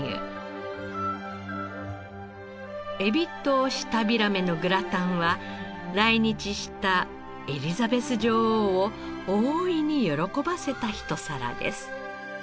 海老と舌平目のグラタンは来日したエリザベス女王を大いに喜ばせたひと皿です。